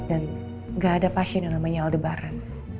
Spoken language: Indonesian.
dan gak ada pasien yang namanya al debaran